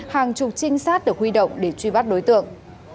hàng chục trinh sát được huy động để truy bắt đối tượng